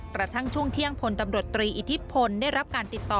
กระทั่งช่วงเที่ยงพลตำรวจตรีอิทธิพลได้รับการติดต่อ